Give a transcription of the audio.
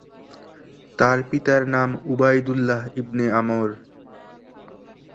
তার পিতার নাম উবাইদুল্লাহ ইবনে আমর।